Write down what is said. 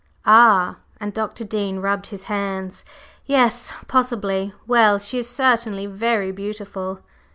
"Ah!" and Dr. Dean rubbed his hands. "Yes possibly! Well, she is certainly very beautiful."